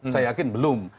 saya yakin belum